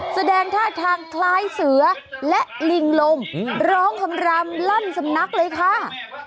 แสดงท่าทางคล้ายเสือและลิงลมร้องคำรำลั่นสำนักเลยค่ะ